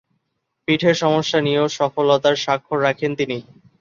পিঠের সমস্যা নিয়েও সফলতার স্বাক্ষর রাখেন তিনি।